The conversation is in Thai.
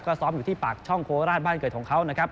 ก็ซ้อมอยู่ที่ปากช่องโคราชบ้านเกิดของเขานะครับ